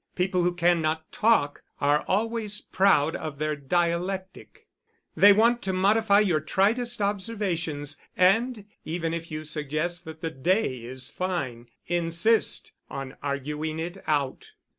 People who cannot talk are always proud of their dialectic: they want to modify your tritest observations, and even if you suggest that the day is fine insist on arguing it out.